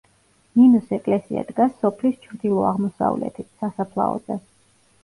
ნინოს ეკლესია დგას სოფლის ჩრდილო-აღმოსავლეთით, სასაფლაოზე.